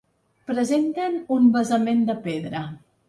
Presenten un basament de pedra.